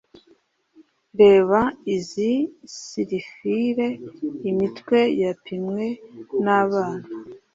reba izi surefire imitwe yapimwe nabana